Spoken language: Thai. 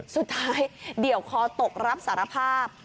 สุดท้ายเดี่ยวคอตกรับสารภาพ